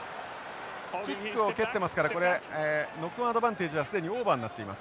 キックを蹴っていますからこれノックオンアドバンテージは既にオーバーになっています。